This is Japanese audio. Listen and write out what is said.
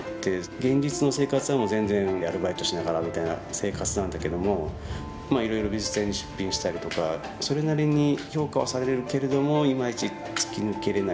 現実の生活はもう全然アルバイトしながらみたいな生活なんだけどもいろいろ美術展に出品したりとかそれなりに評価はされるけれどもいまいち突き抜けれない。